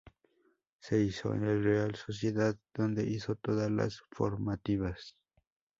Se inició en el Real Sociedad donde hizo todas las formativas.